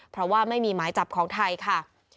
เพราะว่าไม่มีหมายจับของไทยค่ะ